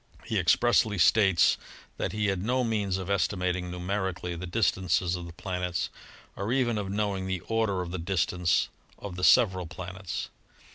He expressly states that he had no means of estimating numerically the dis tances of the planets or even of knowing the order of the distance of the several planets.